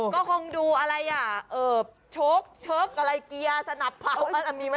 ก็คงดูชกเกียร์สนับเผาอันนั้นมีไม่